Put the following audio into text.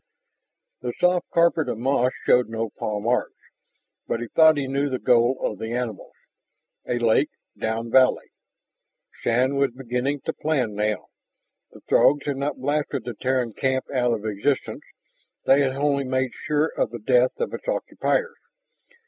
The soft carpet of moss showed no paw marks, but he thought he knew the goal of the animals a lake down valley. Shann was beginning to plan now. The Throgs had not blasted the Terran camp out of existence; they had only made sure of the death of its occupiers.